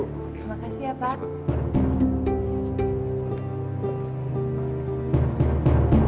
terima kasih ya pak